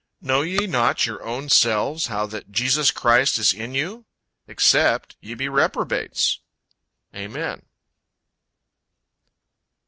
"Know ye not your own selves how that Jesus Christ is in you, except ye be reprobates." AMEN.